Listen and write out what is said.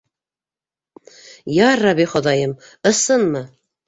— Ярабби Хоҙайым, ысынмы?